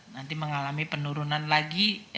nanti mengalami penurunan lagi